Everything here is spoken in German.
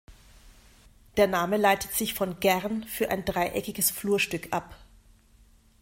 Der Name leitet sich von "Gern" für dreieckiges Flurstück ab.